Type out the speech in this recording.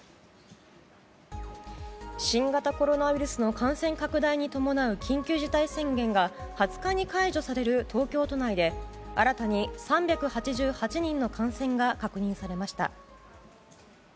新型コロナウイルスの感染拡大に伴う緊急事態宣言が２０日に解除される東京都内で新たに３８８人の感染が確認されました。